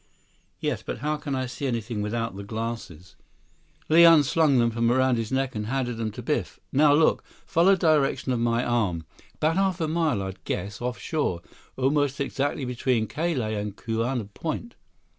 "Yes. But how can I see anything without the glasses?" Li unslung them from around his neck and handed them to Biff. "Now, look. Follow the direction of my arm. About half a mile, I'd guess, off shore. Almost exactly between Ka Lae and Kauna Point."